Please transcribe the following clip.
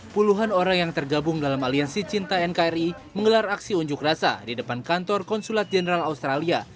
puluhan orang yang tergabung dalam aliansi cinta nkri menggelar aksi unjuk rasa di depan kantor konsulat jenderal australia